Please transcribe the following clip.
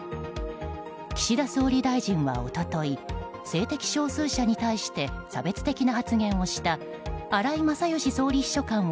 岸田総理大臣は一昨日性的少数者に対して差別的な発言をした荒井勝喜総理秘書官を